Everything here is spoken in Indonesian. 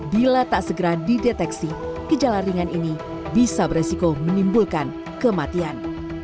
bila tak segera dideteksi gejala ringan ini bisa beresiko menimbulkan kematian